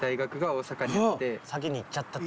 先に行っちゃってたんだ。